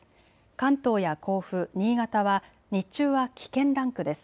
関東や甲府、新潟は日中は危険ランクです。